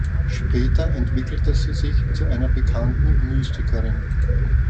Später entwickelte sie sich zu einer bekannten Mystikerin.